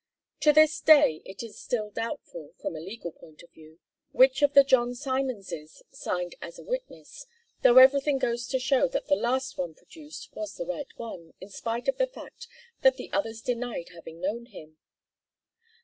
To this day it is still doubtful from a legal point of view which of the John Simonses signed as a witness, though everything goes to show that the last one produced was the right one, in spite of the fact that the others denied having known him.